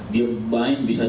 dia main bisa dua tiga game